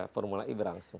formula e berlangsung